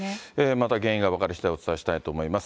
また原因が分かりしだい、お伝えしたいと思います。